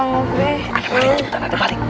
ada maling cepetan ada maling